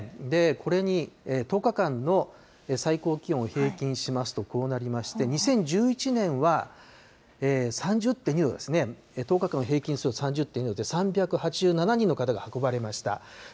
これに１０日間の最高気温を平均しますとこうなりまして、２０１１年は３０．２度ですね、１０日間を平均すると３０．２度で、３８７人の方が運ばれました。